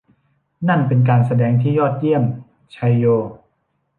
นั่นเป็นการแสดงที่ยอดเยี่ยม ! ไชโย !